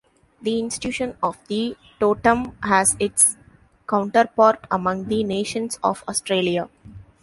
The institution of the Totem has its counterpart among the nations of Australia.